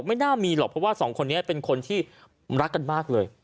ไม่น่ามีหรอกเพราะว่าสองคนนี้เป็นคนที่รักกันมากเลย